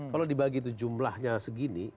kalau dibagi itu jumlahnya segini